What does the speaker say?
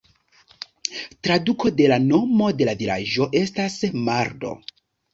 Traduko de la nomo de la vilaĝo estas "Mardo".